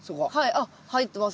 あっ入ってます